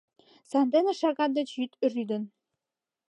Сандене шагат деч йӱд рӱдын